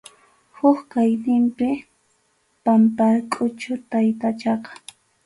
Huk kaqninmi Pampakʼuchu taytachaqa.